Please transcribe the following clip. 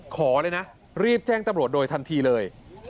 ขอเลยนะรีบแจ้งตำรวจโดยทันทีเลย